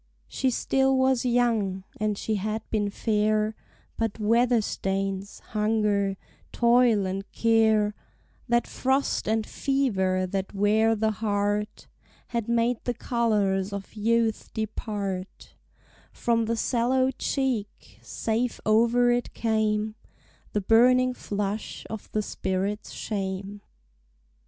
She still was young, and she had been fair; But weather stains, hunger, toil, and care, That frost and fever that wear the heart, Had made the colors of youth depart From the sallow cheek, save over it came The burning flush of the spirit's shame.